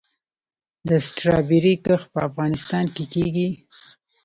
د سټرابیري کښت په افغانستان کې کیږي؟